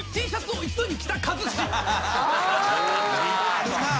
あるなぁ。